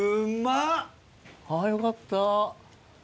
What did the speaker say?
あよかった。